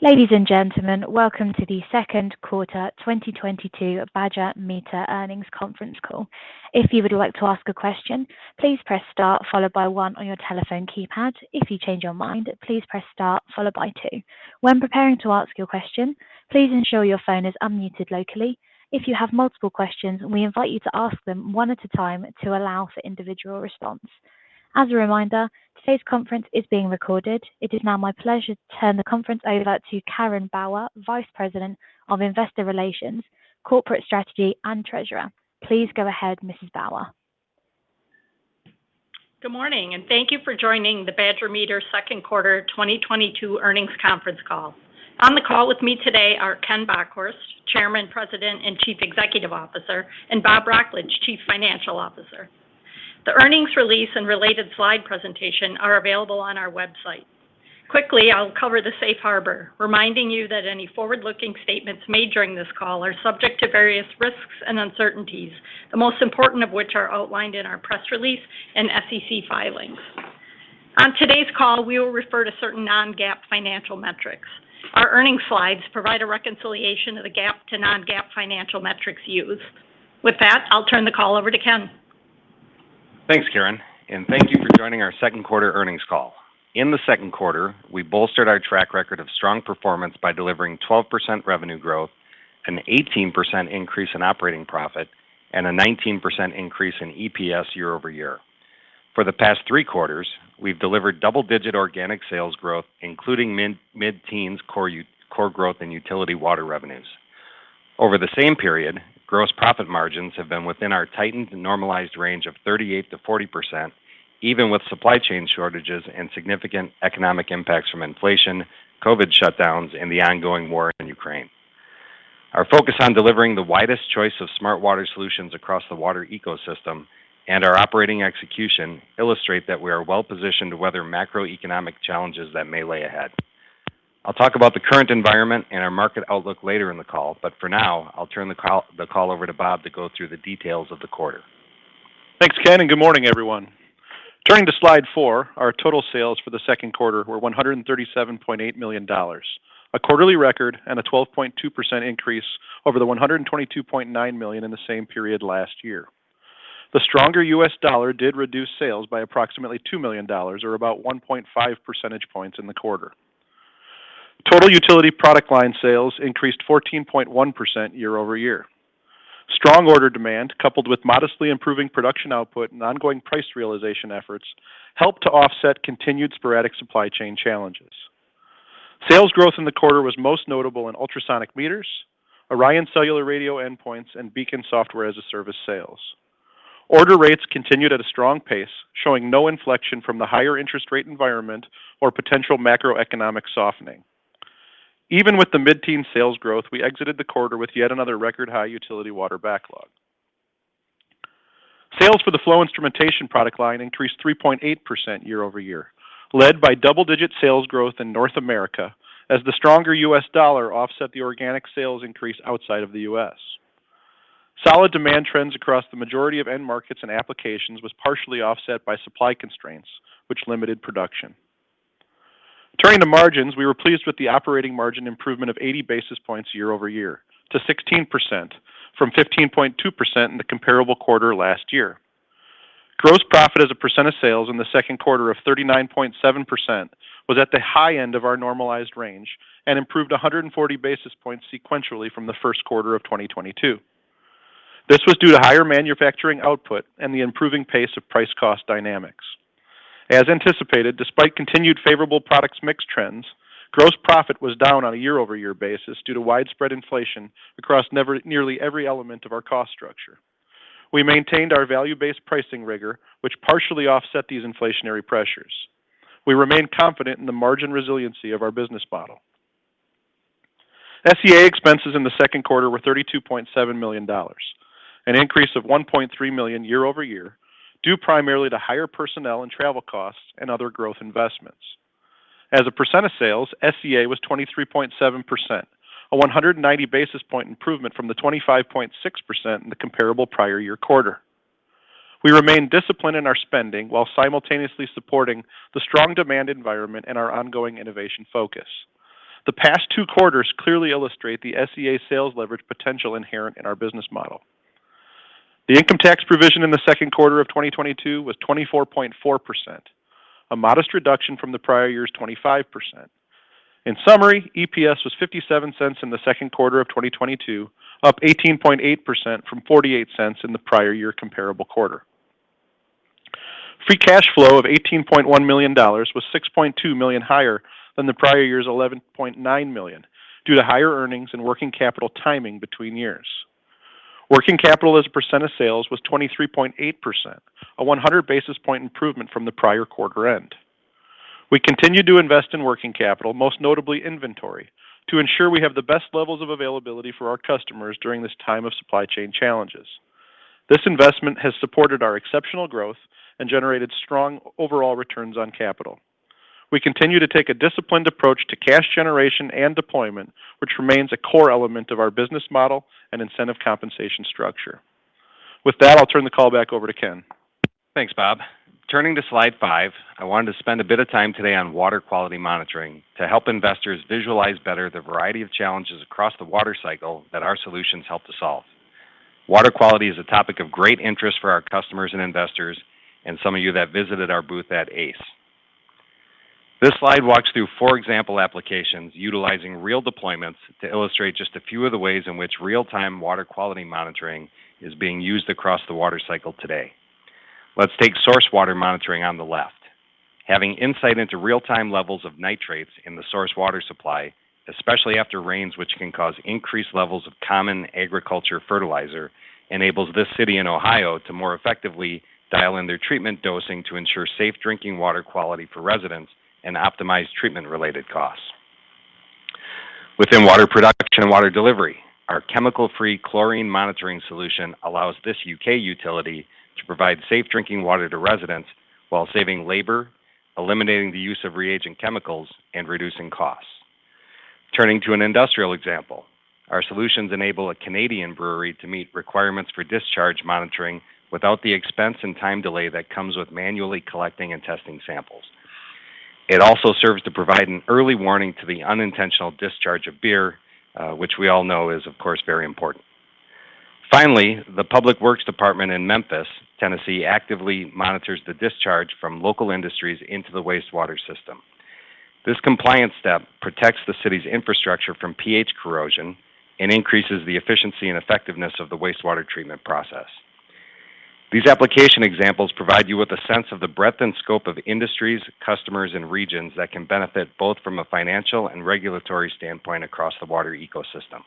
Ladies and gentlemen, welcome to the second quarter 2022 Badger Meter earnings conference call. If you would like to ask a question, please press Star followed by One on your telephone keypad. If you change your mind, please press Star followed by Two. When preparing to ask your question, please ensure your phone is unmuted locally. If you have multiple questions, we invite you to ask them one at a time to allow for individual response. As a reminder, today's conference is being recorded. It is now my pleasure to turn the conference over to Karen Bauer, Vice President of Investor Relations, Corporate Strategy, and Treasurer. Please go ahead, Mrs. Bauer. Good morning, and thank you for joining the Badger Meter second quarter 2022 earnings conference call. On the call with me today are Ken Bockhorst, Chairman, President, and Chief Executive Officer, and Bob Wrocklage, Chief Financial Officer. The earnings release and related slide presentation are available on our website. Quickly, I'll cover the safe harbor, reminding you that any forward-looking statements made during this call are subject to various risks and uncertainties, the most important of which are outlined in our press release and SEC filings. On today's call, we will refer to certain non-GAAP financial metrics. Our earnings slides provide a reconciliation of the GAAP to non-GAAP financial metrics used. With that, I'll turn the call over to Ken. Thanks, Karen, and thank you for joining our second quarter earnings call. In the second quarter, we bolstered our track record of strong performance by delivering 12% revenue growth, an 18% increase in operating profit, and a 19% increase in EPS year-over-year. For the past three quarters, we've delivered double-digit organic sales growth, including mid-teens core growth in utility water revenues. Over the same period, gross profit margins have been within our tightened and normalized range of 38%-40%, even with supply chain shortages and significant economic impacts from inflation, COVID shutdowns, and the ongoing war in Ukraine. Our focus on delivering the widest choice of smart water solutions across the water ecosystem and our operating execution illustrate that we are well positioned to weather macroeconomic challenges that may lay ahead. I'll talk about the current environment and our market outlook later in the call, but for now, I'll turn the call over to Bob to go through the details of the quarter. Thanks, Ken, and good morning, everyone. Turning to slide four, our total sales for the second quarter were $137.8 million, a quarterly record and a 12.2% increase over the $122.9 million in the same period last year. The stronger U.S. dollar did reduce sales by approximately $2 million, or about 1.5 percentage points in the quarter. Total utility product line sales increased 14.1% year-over-year. Strong order demand, coupled with modestly improving production output and ongoing price realization efforts, helped to offset continued sporadic supply chain challenges. Sales growth in the quarter was most notable in ultrasonic meters, ORION cellular radio endpoints, and BEACON software as a service sales. Order rates continued at a strong pace, showing no inflection from the higher interest rate environment or potential macroeconomic softening. Even with the mid-teen sales growth, we exited the quarter with yet another record high utility water backlog. Sales for the flow instrumentation product line increased 3.8% year-over-year, led by double-digit sales growth in North America as the stronger U.S. dollar offset the organic sales increase outside of the U.S. Solid demand trends across the majority of end markets and applications was partially offset by supply constraints, which limited production. Turning to margins, we were pleased with the operating margin improvement of 80 basis points year-over-year to 16% from 15.2% in the comparable quarter last year. Gross profit as a percent of sales in the second quarter of 39.7% was at the high end of our normalized range and improved 140 basis points sequentially from the first quarter of 2022. This was due to higher manufacturing output and the improving pace of price cost dynamics. As anticipated, despite continued favorable products mix trends, gross profit was down on a year-over-year basis due to widespread inflation across nearly every element of our cost structure. We maintained our value-based pricing rigor, which partially offset these inflationary pressures. We remain confident in the margin resiliency of our business model. SEA expenses in the second quarter were $32.7 million, an increase of $1.3 million year-over-year, due primarily to higher personnel and travel costs and other growth investments. As a percent of sales, SEA was 23.7%, a 190 basis point improvement from the 25.6% in the comparable prior year quarter. We remain disciplined in our spending while simultaneously supporting the strong demand environment and our ongoing innovation focus. The past two quarters clearly illustrate the SEA sales leverage potential inherent in our business model. The income tax provision in the second quarter of 2022 was 24.4%, a modest reduction from the prior year's 25%. In summary, EPS was $0.57 in the second quarter of 2022, up 18.8% from $0.48 in the prior year comparable quarter. Free cash flow of $18.1 million was $6.2 million higher than the prior year's $11.9 million due to higher earnings and working capital timing between years. Working capital as a percent of sales was 23.8%, a 100 basis point improvement from the prior quarter end. We continued to invest in working capital, most notably inventory, to ensure we have the best levels of availability for our customers during this time of supply chain challenges. This investment has supported our exceptional growth and generated strong overall returns on capital. We continue to take a disciplined approach to cash generation and deployment, which remains a core element of our business model and incentive compensation structure. With that, I'll turn the call back over to Ken. Thanks, Bob. Turning to slide 5, I wanted to spend a bit of time today on water quality monitoring to help investors visualize better the variety of challenges across the water cycle that our solutions help to solve. Water quality is a topic of great interest for our customers and investors, and some of you that visited our booth at ACE. This slide walks through 4 example applications utilizing real deployments to illustrate just a few of the ways in which real-time water quality monitoring is being used across the water cycle today. Let's take source water monitoring on the left. Having insight into real-time levels of nitrates in the source water supply, especially after rains, which can cause increased levels of common agriculture fertilizer, enables this city in Ohio to more effectively dial in their treatment dosing to ensure safe drinking water quality for residents and optimize treatment-related costs. Within water production and water delivery, our chemical-free chlorine monitoring solution allows this U.K. utility to provide safe drinking water to residents while saving labor, eliminating the use of reagent chemicals, and reducing costs. Turning to an industrial example, our solutions enable a Canadian brewery to meet requirements for discharge monitoring without the expense and time delay that comes with manually collecting and testing samples. It also serves to provide an early warning to the unintentional discharge of beer, which we all know is, of course, very important. Finally, the Public Works Department in Memphis, Tennessee, actively monitors the discharge from local industries into the wastewater system. This compliance step protects the city's infrastructure from pH corrosion and increases the efficiency and effectiveness of the wastewater treatment process. These application examples provide you with a sense of the breadth and scope of industries, customers, and regions that can benefit both from a financial and regulatory standpoint across the water ecosystem.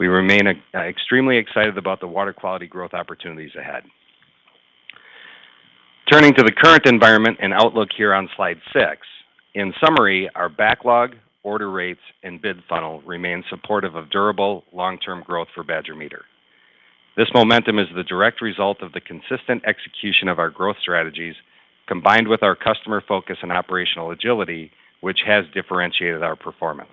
We remain extremely excited about the water quality growth opportunities ahead. Turning to the current environment and outlook here on slide six. In summary, our backlog, order rates, and bid funnel remain supportive of durable long-term growth for Badger Meter. This momentum is the direct result of the consistent execution of our growth strategies, combined with our customer focus and operational agility, which has differentiated our performance.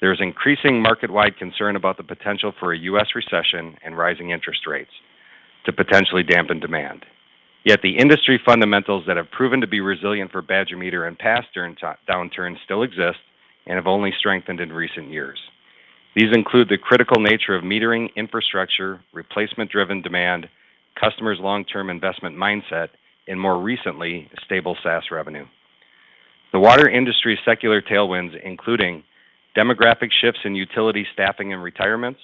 There is increasing market-wide concern about the potential for a U.S. recession and rising interest rates to potentially dampen demand. Yet the industry fundamentals that have proven to be resilient for Badger Meter and passed during downturns still exist and have only strengthened in recent years. These include the critical nature of metering infrastructure, replacement-driven demand, customers' long-term investment mindset, and more recently, stable SaaS revenue. The water industry secular tailwinds, including demographic shifts in utility staffing and retirements,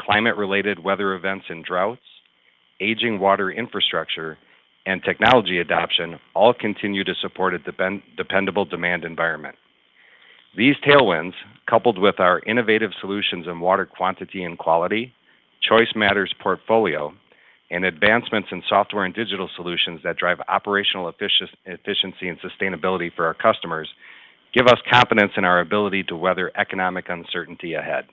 climate-related weather events and droughts, aging water infrastructure, and technology adoption all continue to support a dependable demand environment. These tailwinds, coupled with our innovative solutions in water quantity and quality, Choice Matters portfolio, and advancements in software and digital solutions that drive operational efficiency and sustainability for our customers give us confidence in our ability to weather economic uncertainty ahead.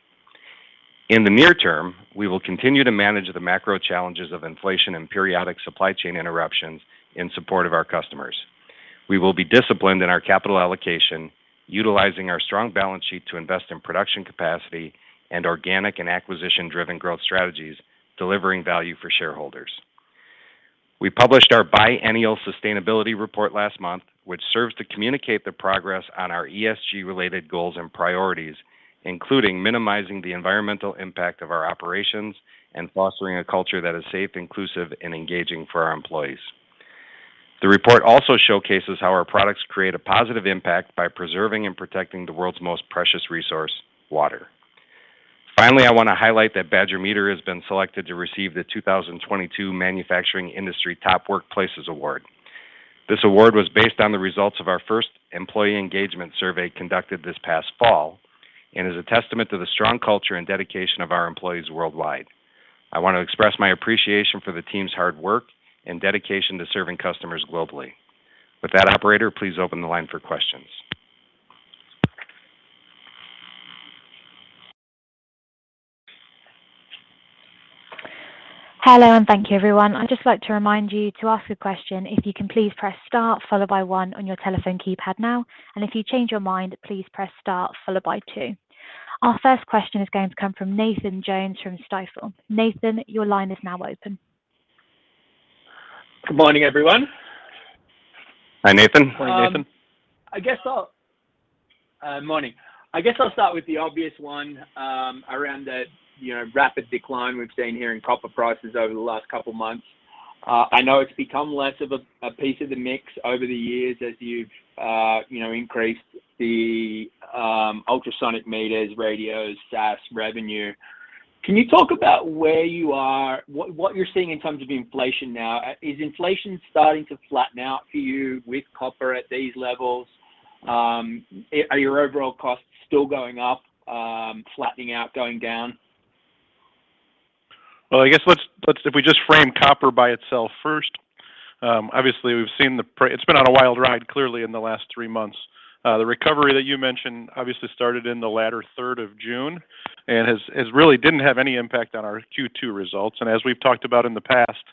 In the near term, we will continue to manage the macro challenges of inflation and periodic supply chain interruptions in support of our customers. We will be disciplined in our capital allocation, utilizing our strong balance sheet to invest in production capacity and organic and acquisition-driven growth strategies, delivering value for shareholders. We published our biennial sustainability report last month, which serves to communicate the progress on our ESG-related goals and priorities, including minimizing the environmental impact of our operations and fostering a culture that is safe, inclusive, and engaging for our employees. The report also showcases how our products create a positive impact by preserving and protecting the world's most precious resource, water. Finally, I want to highlight that Badger Meter has been selected to receive the 2022 Manufacturing Industry Top Workplaces Award. This award was based on the results of our first employee engagement survey conducted this past fall and is a testament to the strong culture and dedication of our employees worldwide. I want to express my appreciation for the team's hard work and dedication to serving customers globally. With that, operator, please open the line for questions. Hello, and thank you, everyone. I'd just like to remind you to ask a question, if you can, please press star followed by one on your telephone keypad now. If you change your mind, please press star followed by two. Our first question is going to come from Nathan Jones from Stifel. Nathan, your line is now open. Good morning, everyone. Hi, Nathan. Morning, Nathan. Morning. I guess I'll start with the obvious one, around the, you know, rapid decline we've seen here in copper prices over the last couple of months. I know it's become less of a piece of the mix over the years as you've, you know, increased the ultrasonic meters, radios, SaaS revenue. Can you talk about where you are, what you're seeing in terms of inflation now? Is inflation starting to flatten out for you with copper at these levels? Are your overall costs still going up, flattening out, going down? I guess let's if we just frame copper by itself first. Obviously we've seen the price. It's been on a wild ride clearly in the last three months. The recovery that you mentioned obviously started in the latter third of June and has really didn't have any impact on our Q2 results. As we've talked about in the past.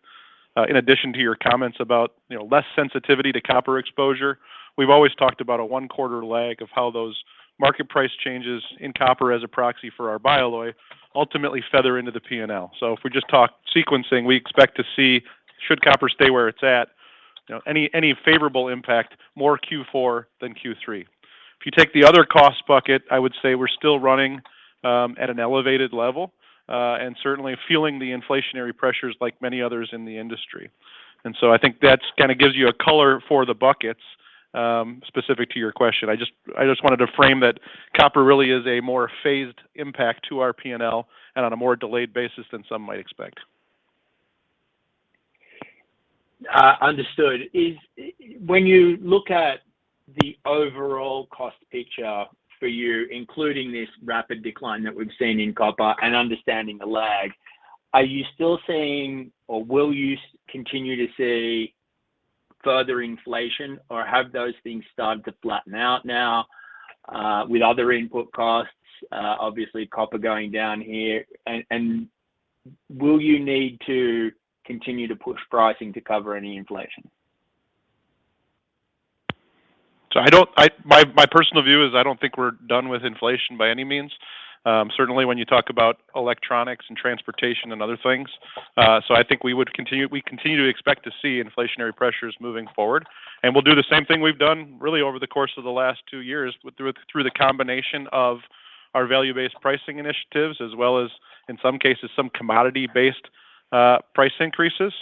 In addition to your comments about, you know, less sensitivity to copper exposure, we've always talked about a one-quarter lag of how those market price changes in copper as a proxy for our bi-alloy ultimately feather into the P&L. If we just talk sequencing, we expect to see, should copper stay where it's at, you know, any favorable impact more Q4 than Q3. If you take the other cost bucket, I would say we're still running at an elevated level and certainly feeling the inflationary pressures like many others in the industry. I think that's gonna give you a color for the buckets specific to your question. I just wanted to frame that copper really is a more phased impact to our P&L and on a more delayed basis than some might expect. Understood. When you look at the overall cost picture for you, including this rapid decline that we've seen in copper and understanding the lag, are you still seeing or will you continue to see further inflation, or have those things started to flatten out now, with other input costs, obviously copper going down here? And will you need to continue to push pricing to cover any inflation? My personal view is I don't think we're done with inflation by any means. Certainly when you talk about electronics and transportation and other things. I think we continue to expect to see inflationary pressures moving forward. We'll do the same thing we've done really over the course of the last two years through the combination of our value-based pricing initiatives as well as, in some cases, some commodity-based price increases.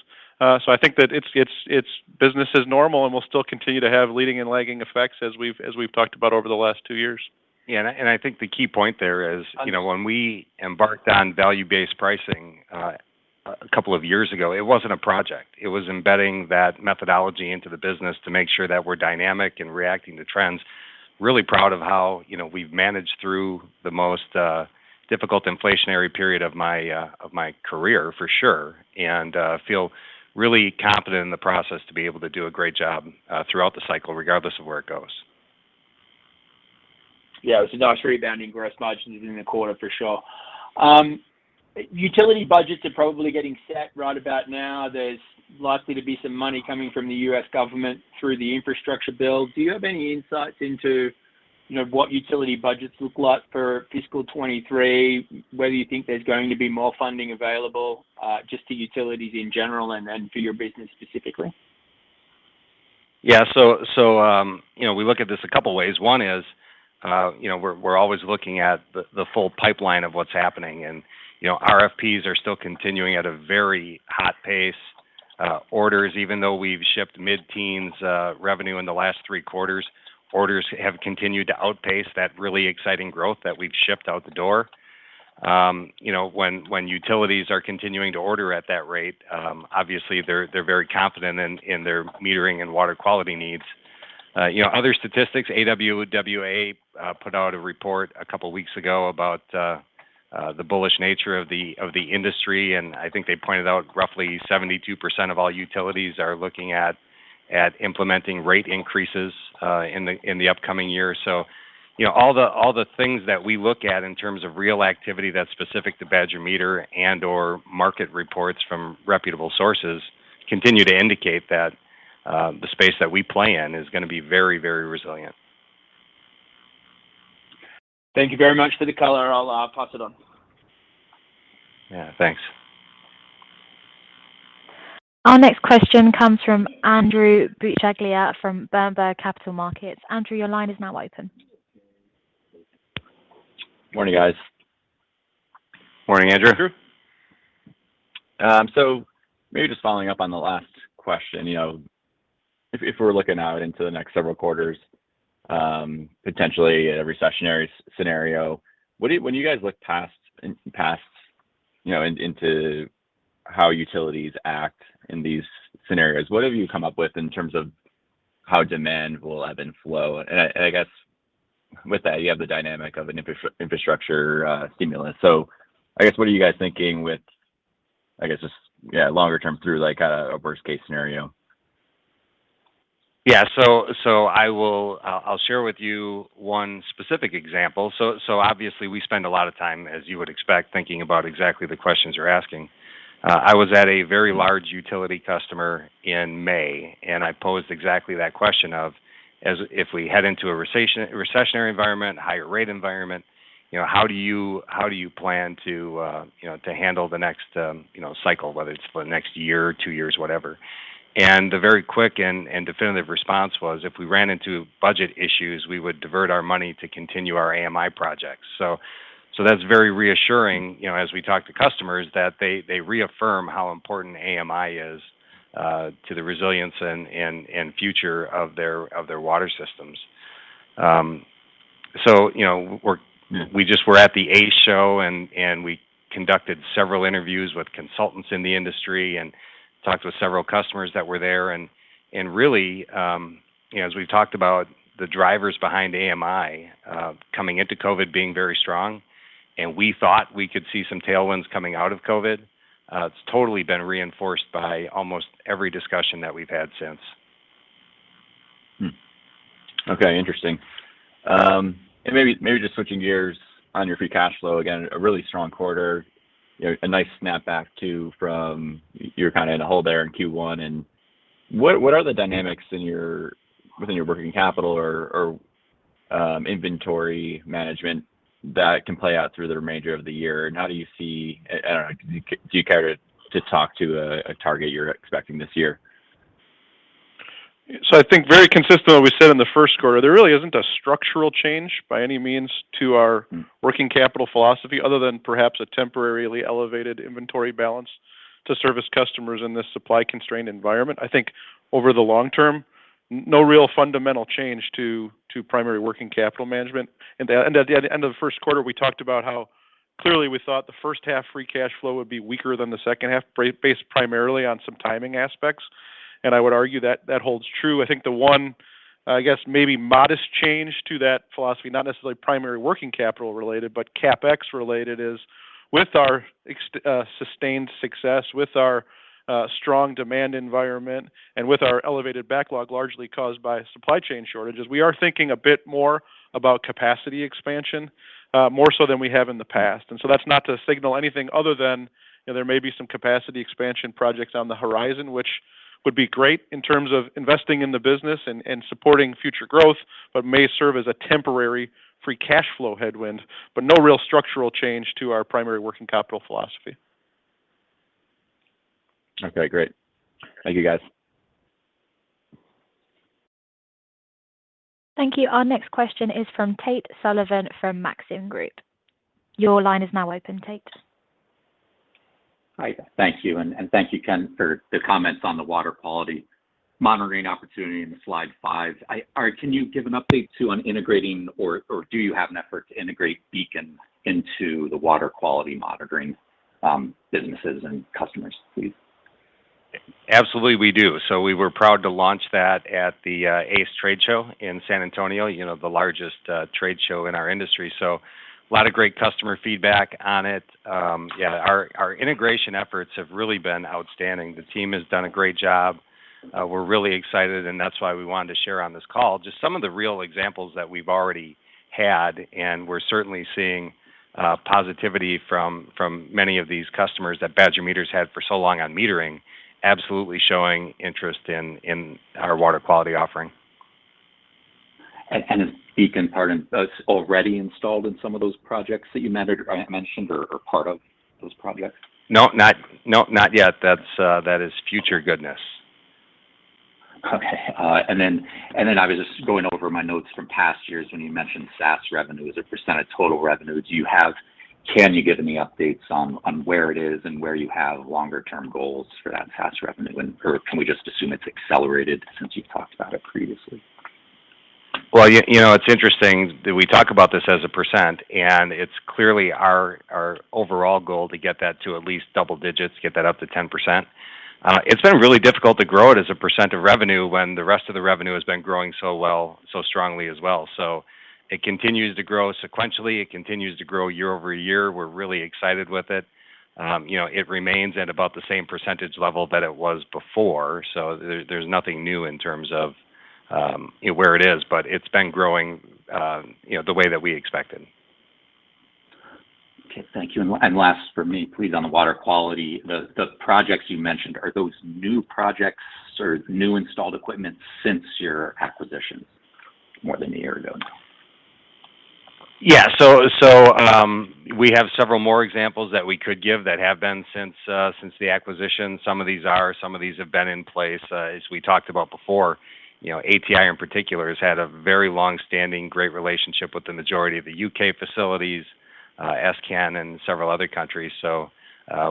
I think that it's business as normal, and we'll still continue to have leading and lagging effects as we've talked about over the last two years. Yeah. I think the key point there is. Understood You know, when we embarked on value-based pricing a couple of years ago, it wasn't a project. It was embedding that methodology into the business to make sure that we're dynamic and reacting to trends. Really proud of how, you know, we've managed through the most difficult inflationary period of my career, for sure, and feel really confident in the process to be able to do a great job throughout the cycle, regardless of where it goes. Yeah. It was a nice rebound in gross margins in the quarter for sure. Utility budgets are probably getting set right about now. There's likely to be some money coming from the U.S. government through the infrastructure bill. Do you have any insights into, you know, what utility budgets look like for fiscal 2023, whether you think there's going to be more funding available, just to utilities in general and for your business specifically? Yeah, you know, we look at this a couple ways. One is, you know, we're always looking at the full pipeline of what's happening. You know, RFPs are still continuing at a very hot pace. Orders, even though we've shipped mid-teens revenue in the last three quarters, orders have continued to outpace that really exciting growth that we've shipped out the door. You know, when utilities are continuing to order at that rate, obviously they're very confident in their metering and water quality needs. You know, other statistics, AWWA put out a report a couple weeks ago about the bullish nature of the industry, and I think they pointed out roughly 72% of all utilities are looking at implementing rate increases in the upcoming year. you know, all the things that we look at in terms of real activity that's specific to Badger Meter and/or market reports from reputable sources continue to indicate that, the space that we play in is gonna be very, very resilient. Thank you very much for the color. I'll pass it on. Yeah. Thanks. Our next question comes from Andrew Buscaglia from Berenberg Capital Markets. Andrew, your line is now open. Morning, guys. Morning, Andrew. Andrew. Maybe just following up on the last question. You know, if we're looking out into the next several quarters, potentially at a recessionary scenario, when you guys look back in the past, you know, into how utilities act in these scenarios, what have you come up with in terms of how demand will ebb and flow? I guess with that, you have the dynamic of an infrastructure stimulus. I guess, what are you guys thinking with, I guess, just, yeah, longer term through like a worst-case scenario? I'll share with you one specific example. So obviously we spend a lot of time, as you would expect, thinking about exactly the questions you're asking. I was at a very large utility customer in May, and I posed exactly that question of if we head into a recessionary environment, higher rate environment, you know, how do you plan to handle the next cycle, whether it's for the next year or two years, whatever. The very quick and definitive response was, if we ran into budget issues, we would divert our money to continue our AMI projects. That's very reassuring, you know, as we talk to customers that they reaffirm how important AMI is to the resilience and future of their water systems. You know, we're Yeah We just were at the ACE Show and we conducted several interviews with consultants in the industry and talked with several customers that were there. Really, you know, as we've talked about the drivers behind AMI, coming into COVID being very strong, and we thought we could see some tailwinds coming out of COVID. It's totally been reinforced by almost every discussion that we've had since. Okay, interesting. Maybe just switching gears on your free cash flow. Again, a really strong quarter. You know, a nice snap back too from you were kind of in a hole there in Q1. What are the dynamics within your working capital or inventory management that can play out through the remainder of the year? How do you see? I don't know, do you care to talk to a target you're expecting this year? I think very consistent with what we said in the first quarter, there really isn't a structural change by any means to our. Mm-hmm Working capital philosophy other than perhaps a temporarily elevated inventory balance to service customers in this supply-constrained environment. I think over the long term, no real fundamental change to primary working capital management. At the end of the first quarter, we talked about how clearly we thought the first half free cash flow would be weaker than the second half, based primarily on some timing aspects. I would argue that holds true. I think the one, I guess maybe modest change to that philosophy, not necessarily primary working capital related, but CapEx related, is with our sustained success, with our strong demand environment, and with our elevated backlog largely caused by supply chain shortages, we are thinking a bit more about capacity expansion, more so than we have in the past. That's not to signal anything other than, you know, there may be some capacity expansion projects on the horizon, which would be great in terms of investing in the business and supporting future growth, but may serve as a temporary free cash flow headwind. No real structural change to our primary working capital philosophy. Okay, great. Thank you, guys. Thank you. Our next question is from Tate Sullivan from Maxim Group. Your line is now open, Tate. Hi. Thank you. Thank you, Ken, for the comments on the water quality monitoring opportunity in Slide 5. Can you give an update, too, on integrating or do you have an effort to integrate BEACON into the water quality monitoring businesses and customers, please? Absolutely, we do. We were proud to launch that at the ACE trade show in San Antonio, you know, the largest trade show in our industry. A lot of great customer feedback on it. Yeah, our integration efforts have really been outstanding. The team has done a great job. We're really excited, and that's why we wanted to share on this call just some of the real examples that we've already had. We're certainly seeing positivity from many of these customers that Badger Meter had for so long on metering, absolutely showing interest in our water quality offering. Is BEACON, pardon, already installed in some of those projects that you mentioned or part of those projects? No, not yet. That's, that is future goodness. Okay. Then I was just going over my notes from past years when you mentioned SaaS revenue as a percent of total revenue. Can you give any updates on where it is and where you have longer term goals for that SaaS revenue? Or can we just assume it's accelerated since you've talked about it previously? Well, you know, it's interesting that we talk about this as a percent, and it's clearly our overall goal to get that to at least double digits, get that up to 10%. It's been really difficult to grow it as a percent of revenue when the rest of the revenue has been growing so well, so strongly as well. It continues to grow sequentially. It continues to grow year-over-year. We're really excited with it. You know, it remains at about the same percentage level that it was before. There's nothing new in terms of, you know, where it is, but it's been growing, you know, the way that we expected. Okay. Thank you. Last for me, please, on the water quality. The projects you mentioned, are those new projects or new installed equipment since your acquisition more than a year ago now? We have several more examples that we could give that have been since the acquisition. Some of these have been in place. As we talked about before, you know, ATi in particular has had a very long-standing, great relationship with the majority of the U.K. facilities, s::can and several other countries.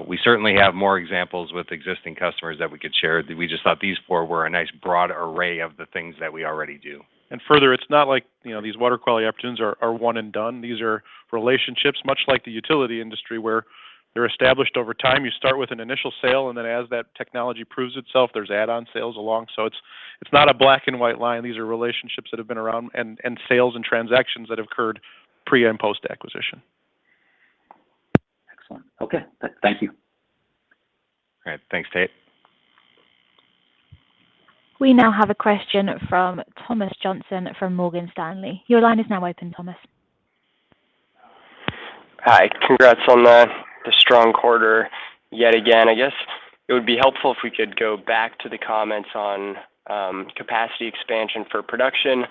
We certainly have more examples with existing customers that we could share. We just thought these four were a nice broad array of the things that we already do. Further, it's not like, you know, these water quality opportunities are one and done. These are relationships, much like the utility industry, where they're established over time. You start with an initial sale, and then as that technology proves itself, there's add-on sales along. So it's not a black and white line. These are relationships that have been around and sales and transactions that occurred pre- and post-acquisition. Excellent. Okay. Thank you. All right. Thanks, Tate. We now have a question from Thomas Johnson from Morgan Stanley. Your line is now open, Thomas. Hi. Congrats on the strong quarter yet again. I guess it would be helpful if we could go back to the comments on capacity expansion for production.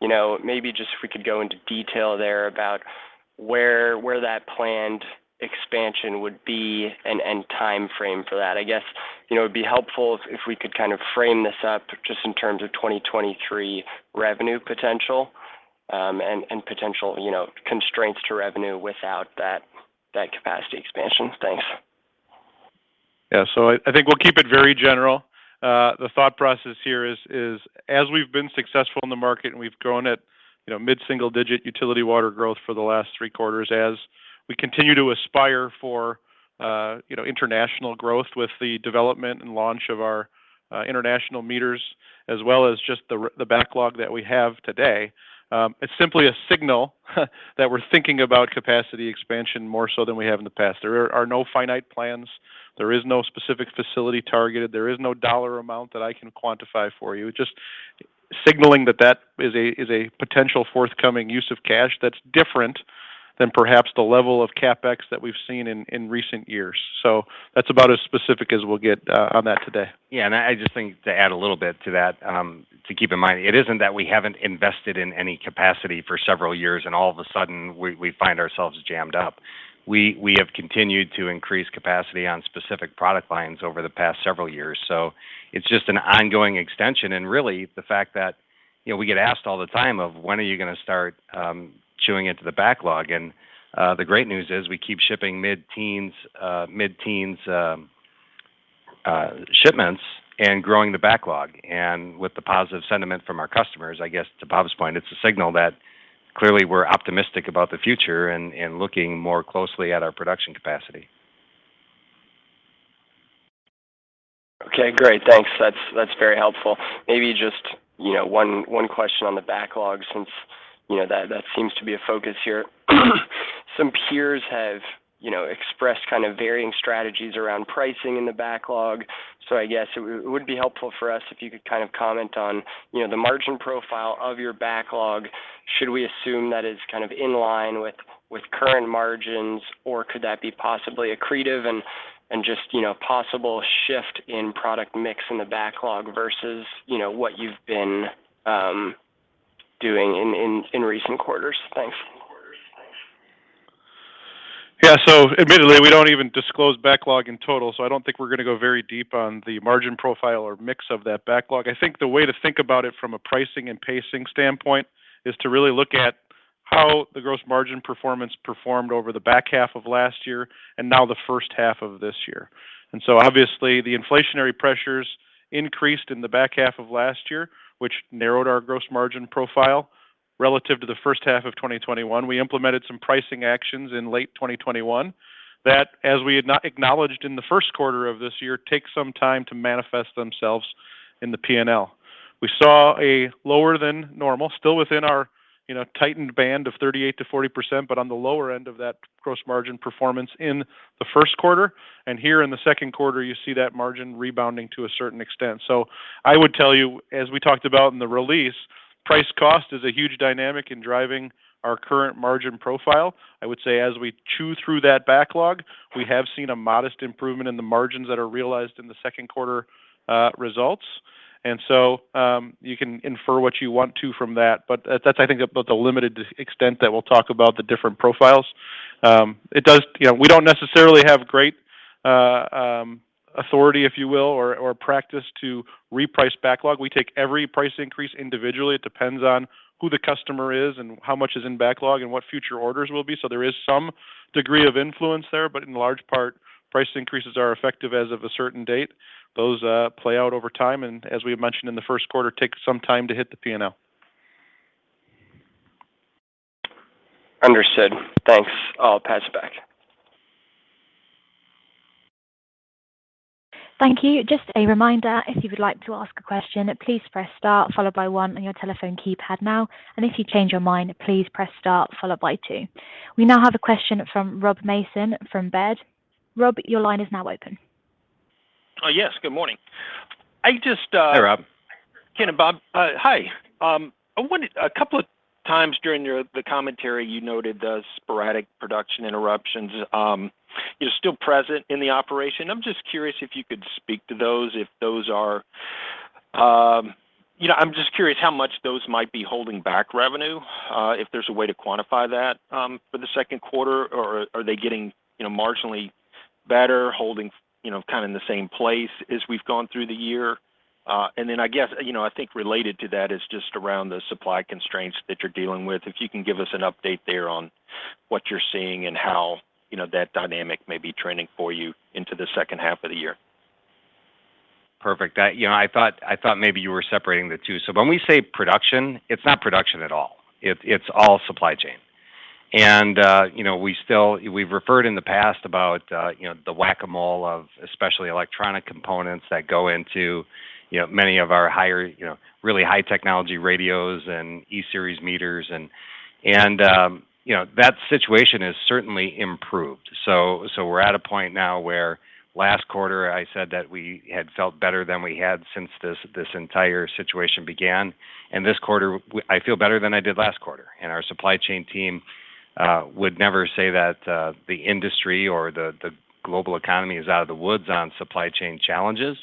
You know, maybe just if we could go into detail there about where that planned expansion would be and timeframe for that. I guess, you know, it'd be helpful if we could kind of frame this up just in terms of 2023 revenue potential and potential, you know, constraints to revenue without that capacity expansion. Thanks. Yeah. I think we'll keep it very general. The thought process here is as we've been successful in the market and we've grown at, you know, mid-single digit utility water growth for the last three quarters, as we continue to aspire for, you know, international growth with the development and launch of our international meters, as well as just the backlog that we have today, it's simply a signal that we're thinking about capacity expansion more so than we have in the past. There are no finite plans. There is no specific facility targeted. There is no dollar amount that I can quantify for you. Just signaling that that is a potential forthcoming use of cash that's different than perhaps the level of CapEx that we've seen in recent years. That's about as specific as we'll get on that today. Yeah. I just think to add a little bit to that, to keep in mind, it isn't that we haven't invested in any capacity for several years, and all of a sudden we find ourselves jammed up. We have continued to increase capacity on specific product lines over the past several years. It's just an ongoing extension, and really the fact that, you know, we get asked all the time of, "When are you gonna start chewing into the backlog?" The great news is we keep shipping mid-teens shipments and growing the backlog. With the positive sentiment from our customers, I guess to Bob's point, it's a signal that clearly we're optimistic about the future and looking more closely at our production capacity. Okay. Great. Thanks. That's very helpful. Maybe just one question on the backlog since that seems to be a focus here. Some peers have expressed kind of varying strategies around pricing in the backlog. I guess it would be helpful for us if you could comment on the margin profile of your backlog. Should we assume that is in line with current margins, or could that be possibly accretive and just possible shift in product mix in the backlog versus what you've been doing in recent quarters? Thanks. Yeah. Admittedly, we don't even disclose backlog in total, so I don't think we're gonna go very deep on the margin profile or mix of that backlog. I think the way to think about it from a pricing and pacing standpoint is to really look at how the gross margin performance performed over the back half of last year and now the first half of this year. Obviously the inflationary pressures increased in the back half of last year, which narrowed our gross margin profile relative to the first half of 2021. We implemented some pricing actions in late 2021 that, as we had not acknowledged in the first quarter of this year, take some time to manifest themselves in the P&L. We saw a lower than normal, still within our, you know, tightened band of 38%-40%, but on the lower end of that gross margin performance in the first quarter. Here in the second quarter, you see that margin rebounding to a certain extent. I would tell you, as we talked about in the release, price cost is a huge dynamic in driving our current margin profile. I would say as we chew through that backlog, we have seen a modest improvement in the margins that are realized in the second quarter results. You can infer what you want to from that, but that's, I think, about the limited extent that we'll talk about the different profiles. It does. You know, we don't necessarily have great authority, if you will, or practice to reprice backlog. We take every price increase individually. It depends on who the customer is and how much is in backlog and what future orders will be. There is some degree of influence there, but in large part, price increases are effective as of a certain date. Those play out over time, and as we had mentioned in the first quarter, takes some time to hit the P&L. Understood. Thanks. I'll pass it back. Thank you. Just a reminder, if you would like to ask a question, please press star followed by One on your telephone keypad now. If you change your mind, please press star followed by two. We now have a question from Rob Mason from Baird. Rob, your line is now open. Yes. Good morning. I just, Hey, Rob. Ken and Bob, hi. I wondered, a couple of times during the commentary, you noted the sporadic production interruptions is still present in the operation. I'm just curious if you could speak to those, if those are. You know, I'm just curious how much those might be holding back revenue, if there's a way to quantify that, for the second quarter, or are they getting, you know, marginally better, holding, you know, kind of in the same place as we've gone through the year? I guess, you know, I think related to that is just around the supply constraints that you're dealing with. If you can give us an update there on what you're seeing and how, you know, that dynamic may be trending for you into the second half of the year. Perfect. You know, I thought maybe you were separating the two. When we say production, it's not production at all. It's all supply chain. You know, we've referred in the past about you know, the whack-a-mole of especially electronic components that go into you know, many of our higher you know, really high technology radios and E-Series meters and you know, that situation has certainly improved. We're at a point now where last quarter I said that we had felt better than we had since this entire situation began. This quarter I feel better than I did last quarter. Our supply chain team would never say that the industry or the global economy is out of the woods on supply chain challenges,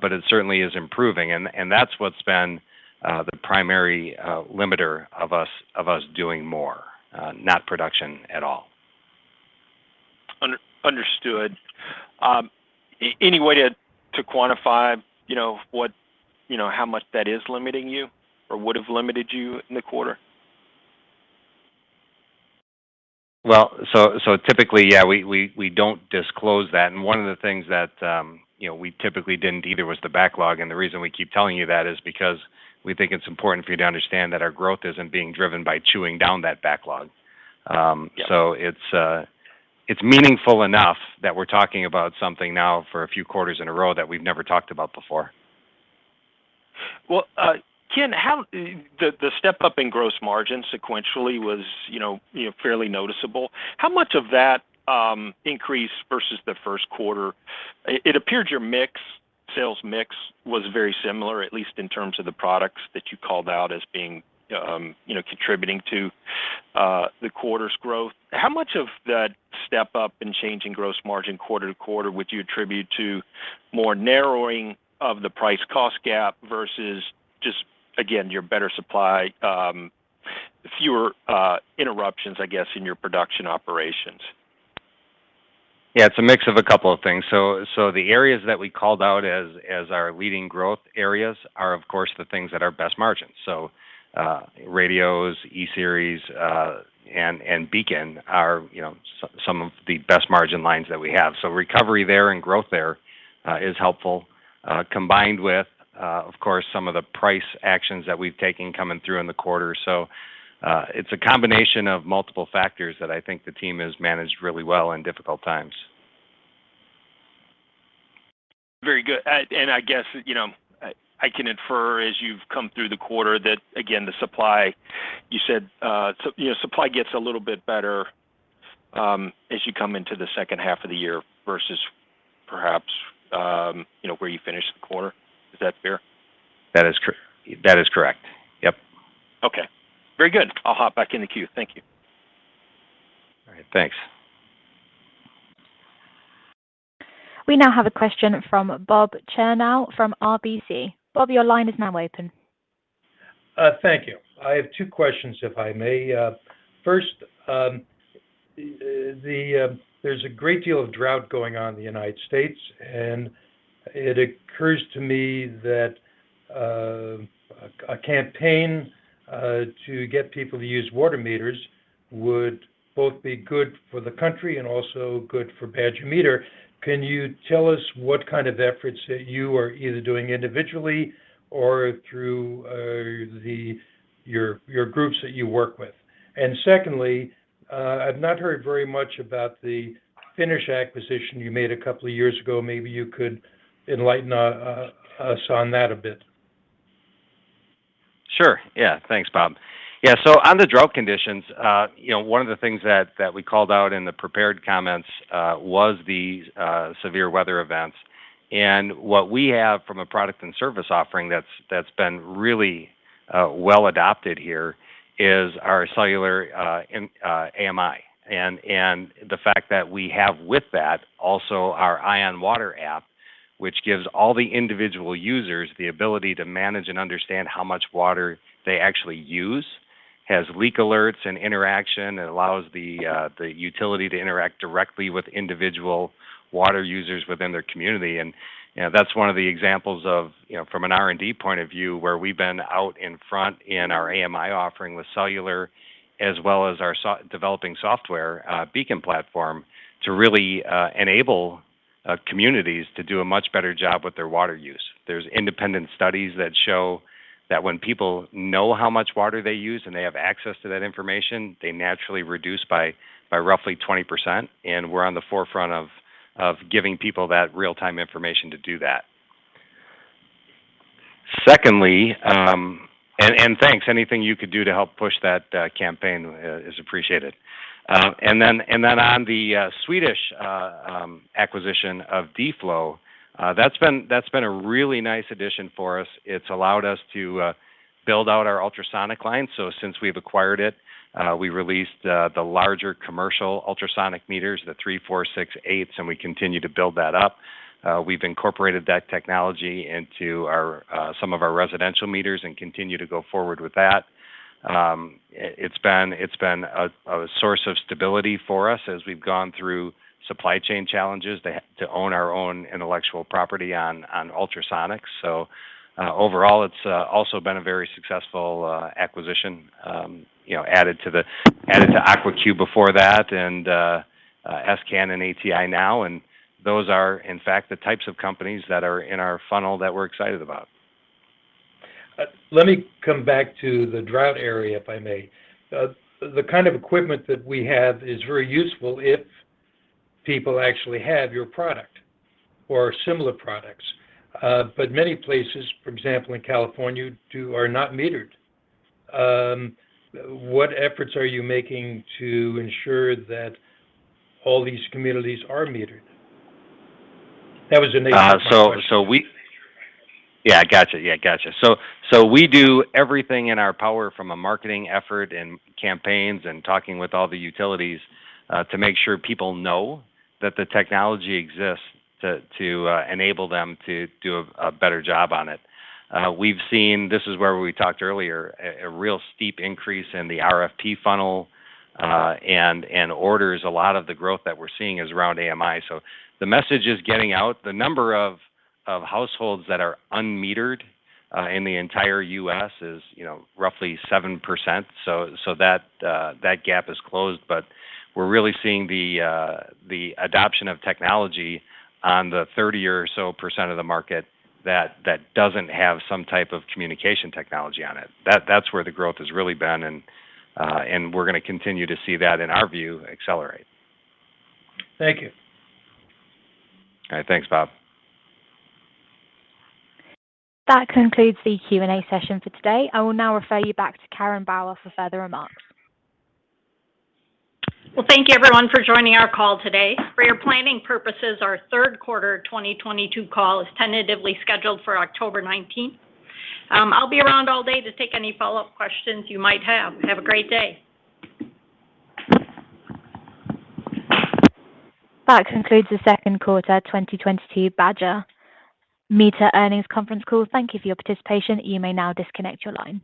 but it certainly is improving. That's what's been the primary limiter of us doing more, not production at all. Understood. Any way to quantify, you know, what, you know, how much that is limiting you or would've limited you in the quarter? Typically, yeah, we don't disclose that. One of the things that, you know, we typically didn't either was the backlog. The reason we keep telling you that is because we think it's important for you to understand that our growth isn't being driven by chewing down that backlog. It's meaningful enough that we're talking about something now for a few quarters in a row that we've never talked about before. Well, Ken, the step up in gross margin sequentially was, you know, fairly noticeable. How much of that increase versus the first quarter. It appeared your mix, sales mix was very similar, at least in terms of the products that you called out as being, you know, contributing to the quarter's growth. How much of that step up in changing gross margin quarter to quarter would you attribute to more narrowing of the price cost gap versus just, again, your better supply, fewer interruptions, I guess, in your production operations? Yeah. It's a mix of a couple of things. The areas that we called out as our leading growth areas are, of course, the things that are best margins. Radios, E-Series, and BEACON are, you know, some of the best margin lines that we have. Recovery there and growth there is helpful, combined with, of course, some of the price actions that we've taken coming through in the quarter. It's a combination of multiple factors that I think the team has managed really well in difficult times. Very good. I guess, you know, I can infer as you've come through the quarter that again, the supply you said, so, you know, supply gets a little bit better, as you come into the second half of the year versus perhaps, you know, where you finish the quarter. Is that fair? That is correct. Yep. Okay. Very good. I'll hop back in the queue. Thank you. All right. Thanks. We now have a question from Bob Chernow from RBC. Bob, your line is now open. Thank you. I have two questions, if I may. First, there's a great deal of drought going on in the United States, and it occurs to me that a campaign to get people to use water meters would both be good for the country and also good for Badger Meter. Can you tell us what kind of efforts that you are either doing individually or through your groups that you work with? Secondly, I've not heard very much about the Finnish acquisition you made a couple of years ago. Maybe you could enlighten us on that a bit. Sure. Yeah. Thanks, Bob. Yeah. On the drought conditions, you know, one of the things that we called out in the prepared comments was the severe weather events. What we have from a product and service offering that's been really well adopted here is our cellular AMI. The fact that we have with that also our EyeOnWater app, which gives all the individual users the ability to manage and understand how much water they actually use, has leak alerts and interaction. It allows the utility to interact directly with individual water users within their community. You know, that's one of the examples of, you know, from an R&D point of view, where we've been out in front in our AMI offering with cellular as well as our developing software, BEACON platform to really enable communities to do a much better job with their water use. There's independent studies that show that when people know how much water they use and they have access to that information, they naturally reduce by roughly 20%. We're on the forefront of giving people that real-time information to do that. Secondly. Thanks. Anything you could do to help push that campaign is appreciated. On the Swedish acquisition of D-Flow, that's been a really nice addition for us. It's allowed us to build out our ultrasonic line. Since we've acquired it, we released the larger commercial ultrasonic meters, the 3, 4, 6, 8s, and we continue to build that up. We've incorporated that technology into our some of our residential meters and continue to go forward with that. It's been a source of stability for us as we've gone through supply chain challenges to own our own intellectual property on ultrasonics. Overall, it's also been a very successful acquisition, you know, added to AquaCUE before that and s::can and ATi now. Those are, in fact, the types of companies that are in our funnel that we're excited about. Let me come back to the drought area, if I may. The kind of equipment that we have is very useful if people actually have your product or similar products. Many places, for example, in California are not metered. What efforts are you making to ensure that all these communities are metered? That was the nature of my question. Yeah, gotcha. We do everything in our power from a marketing effort and campaigns and talking with all the utilities to make sure people know that the technology exists to enable them to do a better job on it. We've seen, this is where we talked earlier, a real steep increase in the RFP funnel and orders. A lot of the growth that we're seeing is around AMI. The message is getting out. The number of households that are unmetered in the entire U.S. is, you know, roughly 7%. That gap is closed. But we're really seeing the adoption of technology on the 30% or so of the market that doesn't have some type of communication technology on it. That's where the growth has really been, and we're gonna continue to see that in our view accelerate. Thank you. All right. Thanks, Bob. That concludes the Q&A session for today. I will now refer you back to Karen Bauer for further remarks. Well, thank you everyone for joining our call today. For your planning purposes, our third quarter 2022 call is tentatively scheduled for October 19. I'll be around all day to take any follow-up questions you might have. Have a great day. That concludes the second quarter 2022 Badger Meter earnings conference call. Thank you for your participation. You may now disconnect your line.